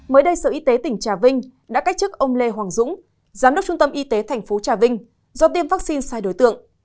mới đây sở y tế tỉnh trà vinh đã cách chức ông lê hoàng dũng giám đốc trung tâm y tế tp trà vinh do tiêm vaccine sai đối tượng